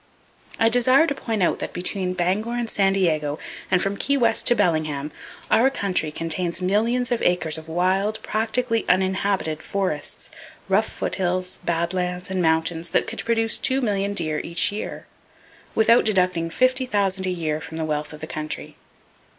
I desire to point out that between Bangor and San Diego and from Key West to Bellingham, our country contains millions of acres of wild, practically uninhabited forests, rough foot hills, bad lands and mountains that could produce two million deer each year, without deducting $50,000 a year from the wealth of the country.